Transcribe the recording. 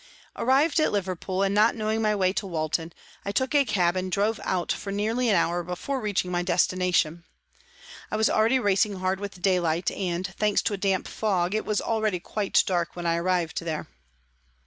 Arrived at Liverpool, and not knowing my way to Walton, I took a cab and drove out for nearly an hour before reaching my destination. I was already racing hard with daylight and, thanks to a damp fog, it was already quite dark when I arrived there.